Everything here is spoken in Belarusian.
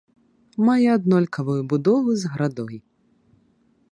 Мае аднолькавую будову з градой.